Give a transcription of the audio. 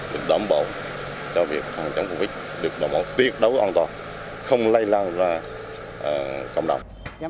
được đảm bảo cho việc phòng chống covid được đảm bảo tuyệt đối an toàn không lây lan ra cộng đồng